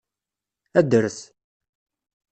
Adret.